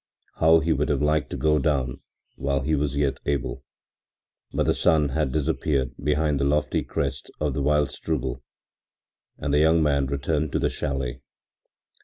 How he would have liked to go down while he was yet able! But the sun had disappeared behind the lofty crest of the Wildstrubel and the young man returned to the chalet.